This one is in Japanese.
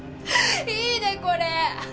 いいねこれ！